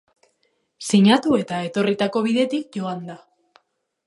Sinatu eta etorritako bidetik joan da.